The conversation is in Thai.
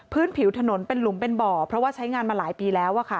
ผิวถนนเป็นหลุมเป็นบ่อเพราะว่าใช้งานมาหลายปีแล้ว